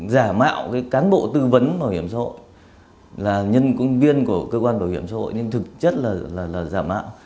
giả mạo cái cán bộ tư vấn bảo hiểm xã hội là nhân công viên của cơ quan bảo hiểm xã hội nên thực chất là giả mạo